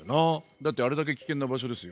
だってあれだけ危険な場所ですよ。